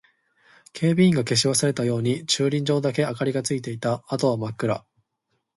警備員が消し忘れたように駐輪場だけ明かりがついていた。あとは真っ暗。